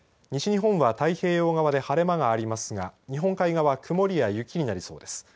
西日本は太平洋側で晴れ間がありますが日本海側は曇りや雪になりそうです。